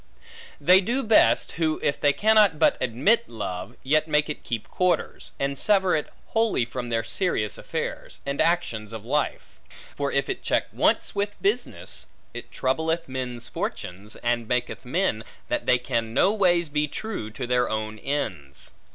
They do best, who if they cannot but admit love, yet make it keep quarters; and sever it wholly from their serious affairs, and actions, of life; for if it check once with business, it troubleth men's fortunes, and maketh men, that they can no ways be true to their own ends.